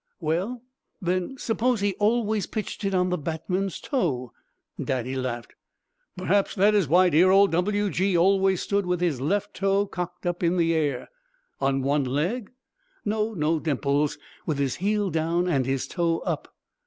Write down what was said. "Well, then, suppose he always pitched it on the batsman's toe!" Daddy laughed. "Perhaps that is why dear old W. G. always stood with his left toe cocked up in the air." "On one leg?" "No, no, Dimples. With his heel down and his toe up."